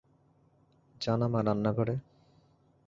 যা না মা রান্নাঘরে?